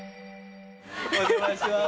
お邪魔します